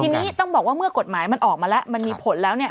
ทีนี้ต้องบอกว่าเมื่อกฎหมายมันออกมาแล้วมันมีผลแล้วเนี่ย